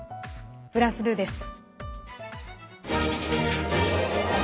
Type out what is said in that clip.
フランス２です。